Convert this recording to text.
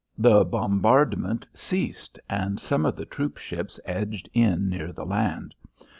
The bombardment ceased, and some of the troopships edged in near the land.